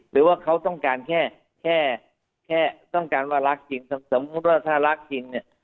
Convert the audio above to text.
หรือว่าเขาต้องการแค่แค่ต้องการว่ารักจริงสมมุติว่าถ้ารักจริงเนี่ย